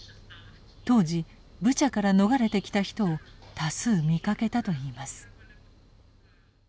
当時ブチャから逃れてきた人を多数見かけたと言います。